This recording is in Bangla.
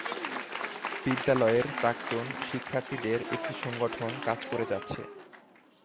বিদ্যালয়ের প্রাক্তন শিক্ষার্থীদের একটি সংগঠন কাজ করে যাচ্ছে।